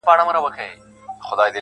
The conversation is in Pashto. ځوان د پوره سلو سلگيو څه راوروسته~